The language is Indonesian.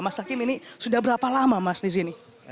mas hakim ini sudah berapa lama mas di sini